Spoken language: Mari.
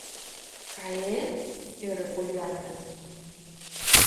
— Каен? — ӧрӧ Поллианна.